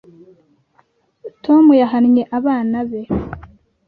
tom yahannye abana be